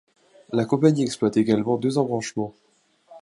La compagnie exploite également deux embranchements.